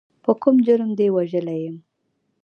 په کوم جرم دې وژلی یم.